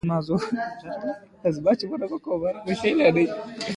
د خوست په اسماعیل خیل کې د ګچ نښې شته.